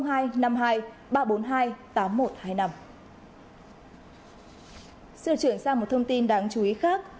xin được trưởng sang một thông tin đáng chú ý khác